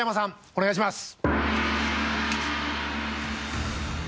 お願いします。